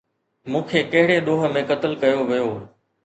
مون کي ڪهڙي ڏوهه ۾ قتل ڪيو ويو؟